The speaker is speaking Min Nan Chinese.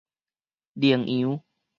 羚羊